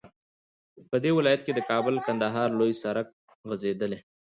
په دې ولايت كې د كابل- كندهار لوى سړك غځېدلى